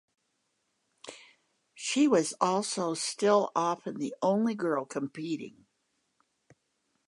She was also still often the only girl competing.